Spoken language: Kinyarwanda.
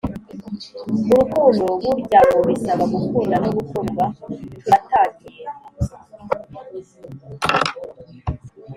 murukundo bury a ngo bisaba gukunda no gukundwa turatangiye